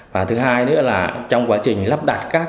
ra thứ hai nữa là trong quá trình lắp đạt các